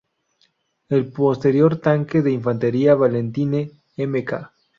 El posterior tanque de infantería Valentine Mk.